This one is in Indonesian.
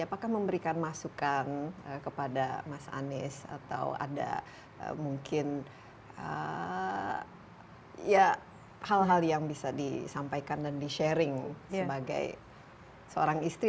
apakah memberikan masukan kepada mas anies atau ada mungkin ya hal hal yang bisa disampaikan dan di sharing sebagai seorang istri